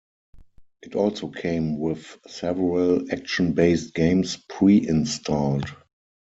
It also came with several action based games pre-installed.